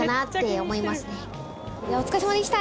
お疲れさまでした。